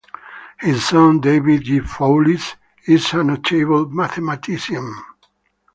His son David J. Foulis is a notable mathematician.